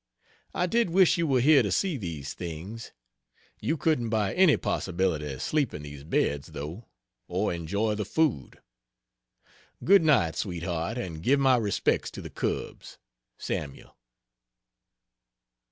I did wish you were here to see these things. You couldn't by any possibility sleep in these beds, though, or enjoy the food. Good night, sweetheart, and give my respects to the cubs. SAML.